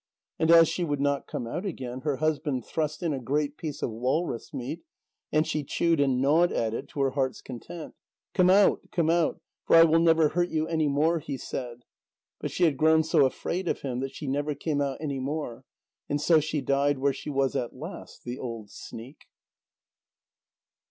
And as she would not come out again, her husband thrust in a great piece of walrus meat, and she chewed and gnawed at it to her heart's content. "Come out, come out, for I will never hurt you any more," he said. But she had grown so afraid of him that she never came out any more, and so she died where she was at last the old sneak!